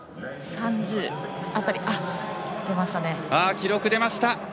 記録出ました。